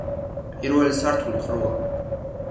პირველი სართული ყრუა.